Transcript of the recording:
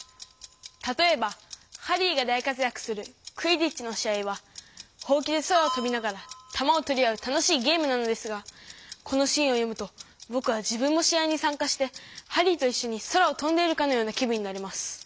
たとえばハリーが大活やくするクィディッチの試合はほうきで空を飛びながらたまをとり合う楽しいゲームなのですがこのシーンを読むとぼくは自分も試合にさんかしてハリーといっしょに空を飛んでいるかのような気分になれます。